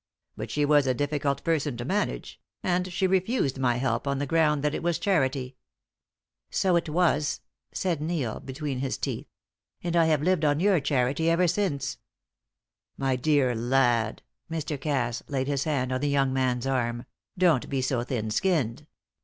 But she was a difficult person to manage; and she refused my help on the ground that it was charity." "So it was," Neil said between his teeth. "And I have lived on your charity ever since!" "My dear lad" Mr. Cass laid his hand on the young man's arm "don't be so thin skinned.